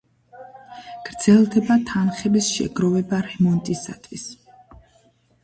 გრძელდება თანხების შეგროვება რემონტისათვის.